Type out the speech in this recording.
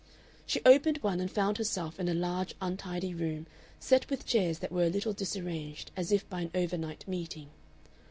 She opened one and found herself in a large untidy room set with chairs that were a little disarranged as if by an overnight meeting.